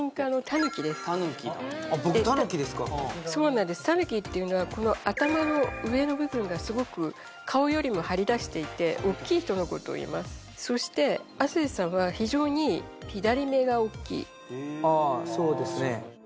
たぬきっていうのはこの頭の上の部分がすごく顔よりも張り出していて大きい人のことをいいますそしてああそうですね